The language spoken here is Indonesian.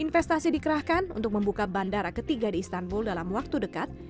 investasi dikerahkan untuk membuka bandara ketiga di istanbul dalam waktu dekat